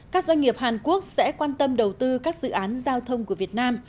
các doanh nghiệp hàn quốc sẽ quan tâm đầu tư các dự án giao thông của việt nam